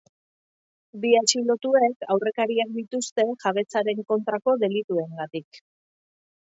Bi atxilotuek aurrekariak dituzte jabetzaren kontrako delituengatik.